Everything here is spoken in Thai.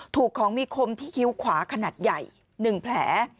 ถูกของมีคมที่คิ้วขวาขนาดใหญ่๑แผล